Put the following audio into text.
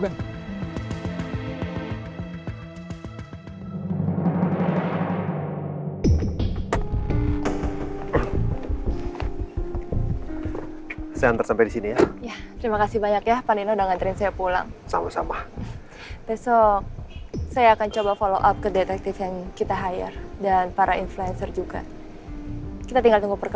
eh sudah lah pak